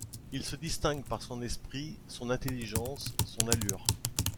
Il se distingue par son esprit, son intelligence, son allure.